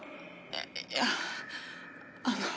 いやあの